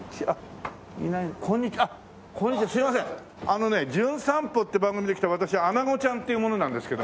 あのね『じゅん散歩』って番組で来た私アナゴちゃんっていう者なんですけどもね。